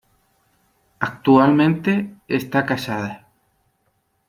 Actualmente está casada.